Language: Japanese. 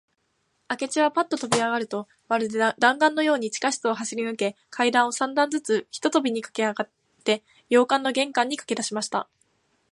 明智はパッととびあがると、まるで弾丸だんがんのように、地下室を走りぬけ、階段を三段ずつ一とびにかけあがって、洋館の玄関にかけだしました。